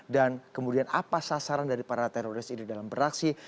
dan kemudian apa sasaran dari para teroris ini dalam beraksi